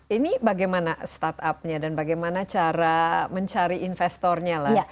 ini bagaimana start up nya dan bagaimana cara mencari investornya lah